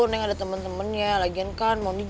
neng ada temen temennya lagian kan